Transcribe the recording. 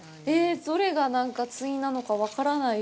どれが対なのか分からないです。